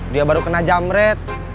dia baru kena jamret